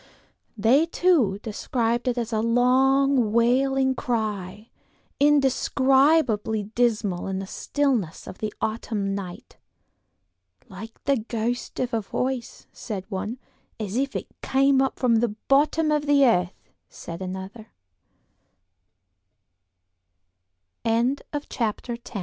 They, too, described it as a long, wailing cry, indescribably dismal in the stillness of the autumn night; "like the ghost of a voice," said one; "as if it came up from the bottom of the earth," said another.